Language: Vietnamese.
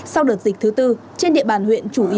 sau đợt dịch thứ tư trên địa bàn huyện